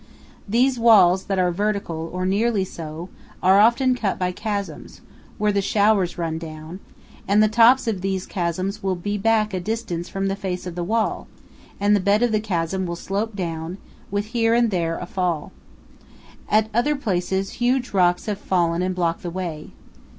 These walls, that are vertical, or nearly so, are often cut by chasms, where the showers run down, THE RIO VIRGEN AND THE UINKARET MOUNTAINS. 315 and the top of these chasms will be back a distance from the face of the wall, and the bed of the chasm will slope down, with here and there a fall. At other places huge rocks have fallen and block the way.